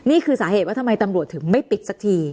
นี่คือสาเหตุว่าทำไมตำรวจถึงไม่ปิดสักที